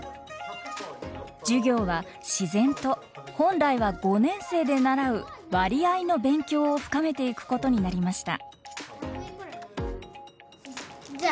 授業は自然と本来は５年生で習う割合の勉強を深めていくことになりました。